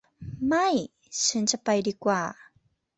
ไม่ฉันจะไปดีกว่า